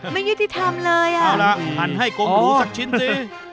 ไม่ยืดที่ทำเลยเอาล่ะหันให้โกงหนูสักชิ้นสิ